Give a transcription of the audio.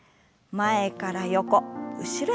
前から横後ろへ。